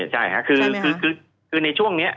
ใช่ค่ะคือในช่วงนี้